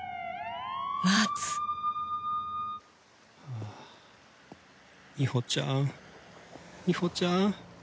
はあみほちゃんみほちゃん